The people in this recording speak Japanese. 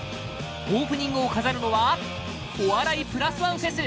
オープニングを飾るのはお笑いプラスワン